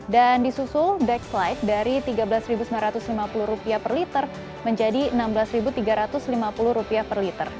dan disusul dex light dari rp tiga belas sembilan ratus lima puluh per liter menjadi rp enam belas tiga ratus lima puluh per liter